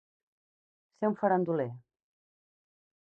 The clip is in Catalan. Ser un faranduler.